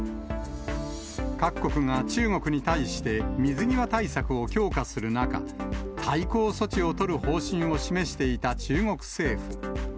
各国が中国に対して、水際対策を強化する中、対抗措置を取る方針を示していた中国政府。